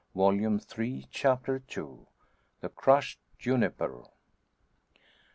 Volume Three, Chapter II. THE CRUSHED JUNIPER.